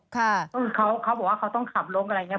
ก็คือเขาบอกว่าเขาต้องขับลงอะไรอย่างนี้